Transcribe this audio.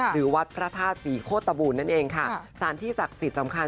หรือวัดพระธาตุศรีโคตบูลนั่นเองค่ะสารที่ศักดิ์สิทธิ์สำคัญ